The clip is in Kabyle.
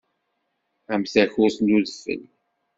Am takurt n udfel.